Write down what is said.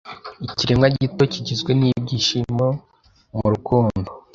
Ikiremwa gito kigizwe nibyishimo nurukundo